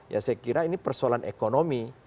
ya saya kira ini persoalan ekonomi